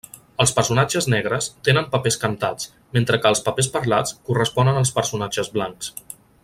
Els personatges negres tenen papers cantats, mentre que els papers parlats corresponen als personatges blancs.